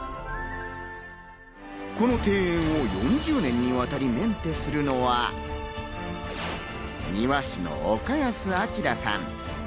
この庭園を４０年にわたりメンテするのが、庭師の岡安晃さん。